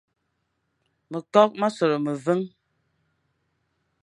Mekokh ma sola meveñ,